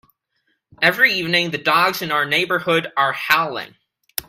Every evening, the dogs in our neighbourhood are howling.